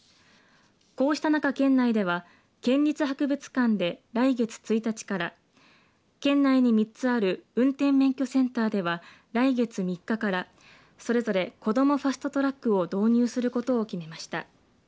こうした中、県内では県立博物館で来月１日から県内に３つある運転免許センターでは来月３日からそれぞれこどもファスト・トラックを導入することを決めました。